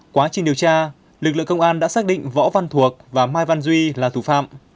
quá trình điều tra lực lượng công an đã xác định võ văn thuộc và mai văn duy là thủ phạm